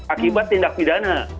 akibat tindak pidana